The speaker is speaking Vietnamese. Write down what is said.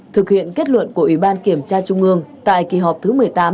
thực hiện kết luận của ủy ban kiểm tra trung ương tại kỳ họp thứ một mươi tám